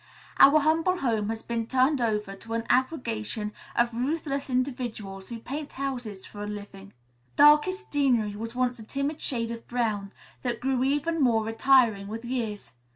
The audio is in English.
Our humble home had been turned over to an aggregation of ruthless individuals who paint houses for a living. Darkest Deanery was once a timid shade of brown that grew even more retiring with years.